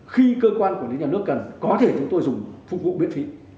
khi cơ quan quản lý nhà nước cần có thể chúng tôi dùng phục vụ miễn phí